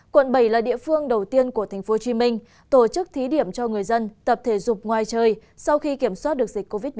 quận bảy là địa phương đầu tiên của tp hcm tổ chức thí điểm cho người dân tập thể dục ngoài trời sau khi kiểm soát được dịch covid một mươi chín